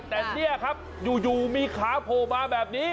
แต่นี่ครับอยู่มีขาโผล่มาแบบนี้